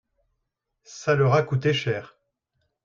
ça leur a coûté cher.